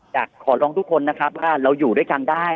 อยากขอร้องทุกคนนะครับว่าเราอยู่ด้วยกันได้